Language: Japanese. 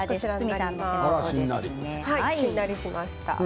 しんなりしましたね